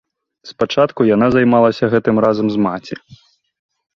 Спачатку яна займалася гэтым разам з маці.